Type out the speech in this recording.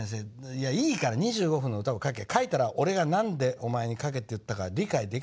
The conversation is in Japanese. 「いやいいから２５分の歌を書け書いたら俺が何でおまえに書けと言ったか理解できるから書け」。